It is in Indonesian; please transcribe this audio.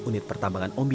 di bukit asam